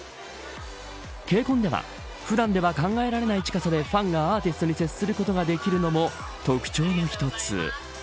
ＫＣＯＮでは普段では考えられない近さでファンがアーティストに接することができるのも特徴の一つ。